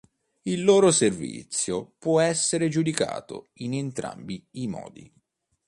Il loro servizio può essere giudicato in entrambi i modi.